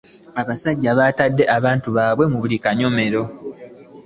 Abasajja batadde abantu baabwe mu buli kanyomero.